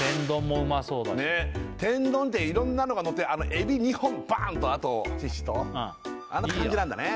天丼っていろんなのがのってあの海老２本バーンとあとししとうあの感じなんだね